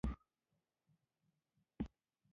برېټانویانو په نولسمې پېړۍ په نیمایي کې خپل واک پراخ کړ.